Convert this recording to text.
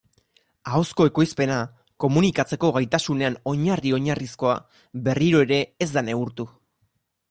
Ahozko ekoizpena, komunikatzeko gaitasunean oinarri-oinarrizkoa, berriro ere ez da neurtu.